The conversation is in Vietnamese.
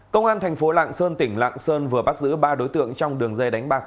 công an tp lạng sơn tỉnh lạng sơn vừa bắt giữ ba đối tượng trong đường dây đánh bạc